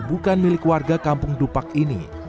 bukan milik warga kampung dupak ini